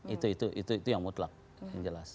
itu itu itu yang mutlak yang jelas